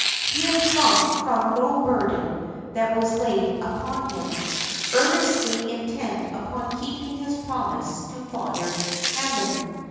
He had shrunk from no burden that was laid upon him, earnestly intent upon keeping his promise to Father Hammond.